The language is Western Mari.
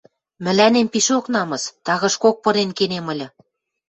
Мӹлӓнем пишок намыс, тагышкок пырен кенем ыльы...